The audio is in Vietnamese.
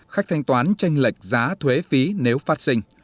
khách thanh toán tranh lệch giá thuế phí nếu phát sinh